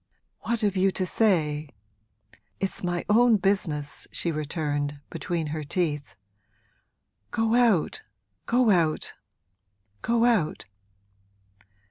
'What have you to say? It's my own business!' she returned, between her teeth. 'Go out, go out, go out!'